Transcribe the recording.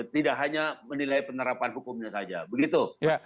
tidak hanya menilai penerapan hukumnya saja begitu